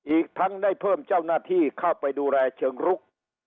อีกทั้งได้เพิ่มเจ้าหน้าที่เข้าไปดูแลเชิงรุก